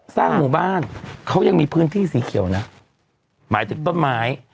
สร้างหมู่บ้านเขายังมีพื้นที่สีเขียวนะหมายถึงต้นไม้